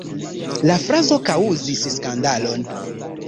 La frazo kaŭzis skandalon.